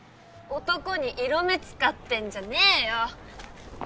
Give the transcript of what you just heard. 男に色目使ってんじゃねよ。